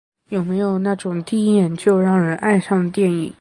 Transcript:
有没有那种第一眼就让人爱上的电影？